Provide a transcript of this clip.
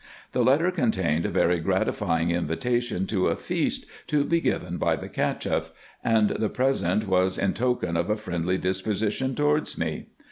The letter contained a very gratify ing invitation to a feast to be given by the Cacheff, and the present was in token of a friendly disposition towards me.